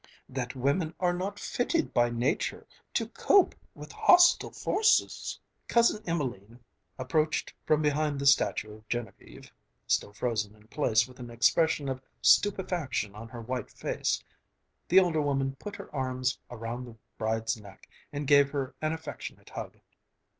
that women are not fitted by nature to cope with hostile forces!" Cousin Emelene approached from behind the statue of Genevieve, still frozen in place with an expression of stupefaction on her white face. The older woman put her arms around the bride's neck and gave her an affectionate hug.